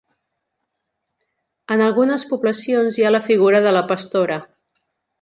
En algunes poblacions hi ha la figura de la pastora.